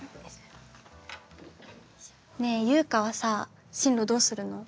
ねえゆうかはさ進路どうするの？